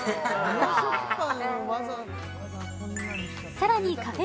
さらにカフェ